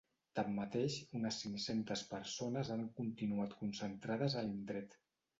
Tanmateix, unes cinc-centes persones han continuat concentrades a l’indret.